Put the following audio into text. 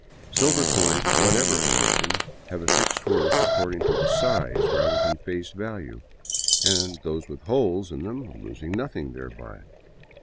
Silver coins of whatever origin have a fixed worth, according to size rather than face value, those with holes in them losing nothing thereby.